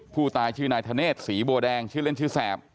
ผู้ตายชื่อนายธเนศสีบัวแดงชื่อเล่นชื่อแสบ